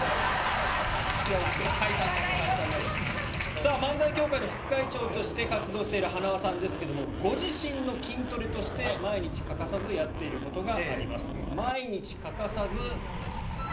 さぁ漫才協会の副会長として活動している塙さんですけどもご自身の筋トレとして毎日欠かさずやっていることがあります。